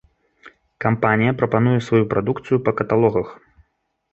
Кампанія прапануе сваю прадукцыю па каталогах.